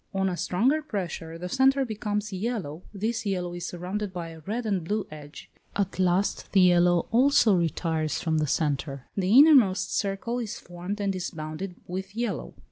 On a stronger pressure the centre becomes yellow; this yellow is surrounded by a red and blue edge: at last, the yellow also retires from the centre; the innermost circle is formed and is bounded with yellow.